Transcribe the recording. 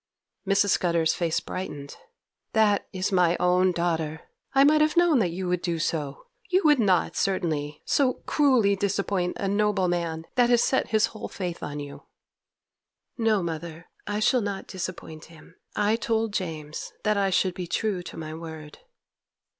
Mrs. Scudder's face brightened. 'That is my own daughter! I might have known that you would do so. You would not, certainly, so cruelly disappoint a noble man that has set his whole faith on you.' 'No, mother, I shall not disappoint him. I told James that I should be true to my word.